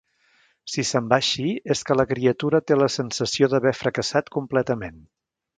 Si se'n va així, és que la criatura té la sensació d'haver fracassat completament.